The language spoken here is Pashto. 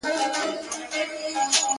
د هغه هر وخت د ښکلا خبر په لپه کي دي_